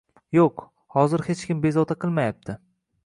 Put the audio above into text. Yo‘q, hozir hech kim bezovta qilmayapti.